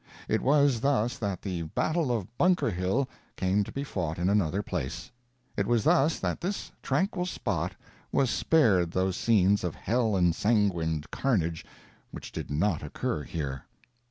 It was thus that the battle of Bunker Hill came to be fought in another place. It was thus that this tranquil spot was spared those scenes of hell ensanguined carnage which did not occur here.